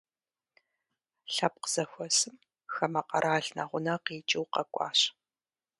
Лъэпкъ зэхуэсым хамэ къэрал нэгъунэ къикӏыу къэкӏуащ.